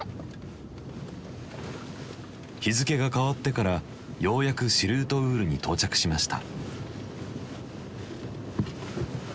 日付が変わってからようやくシルートウールに到着しました。